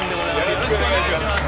よろしくお願いします。